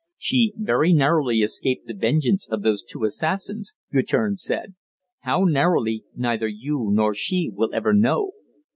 "She very narrowly escaped the vengeance of those two assassins," Guertin said; "how narrowly, neither you nor she will ever know.